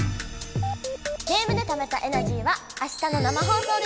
ゲームでためたエナジーはあしたの生放送で使えるよ！